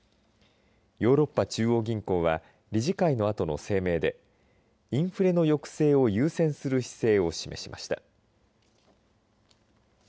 ヨーロッパ中央銀行は理事会のあとの声明でインフレの抑制を優先する姿勢を示しました。